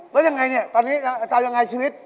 แล้วยังไงนี่ตอนนี้ตามอย่างไรชีวิต